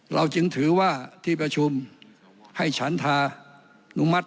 เราจึงถือว่าที่ประชุมให้ฉันทานุมัติ